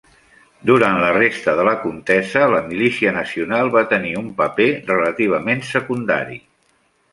Durant la resta de la contesa la Milícia Nacional va tenir un paper relativament secundari.